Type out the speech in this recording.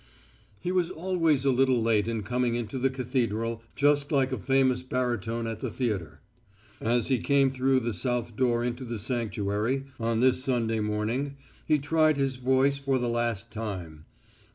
He was always a little later in coming into the cathedral than he ought to have been. Just like a famous baritone at a theatre. As he came through the south door into the sanctuary, on this Sunday morning, he tried his voice for the last time.